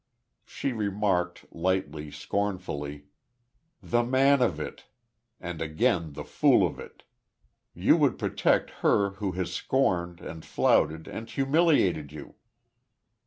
She remarked, lightly, scornfully: "The man of it, and again the fool of it. You would protect her who has scorned, and flouted, and humiliated you."